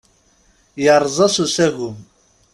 Yerreẓ-as usagem.